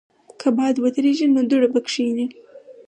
که باد ودریږي، نو دوړه به کښېني.